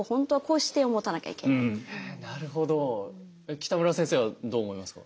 北村先生はどう思いますか？